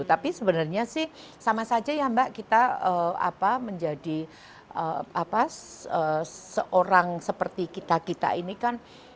tapi sebenarnya sih sama saja ya mbak kita menjadi seorang seperti kita kita ini kan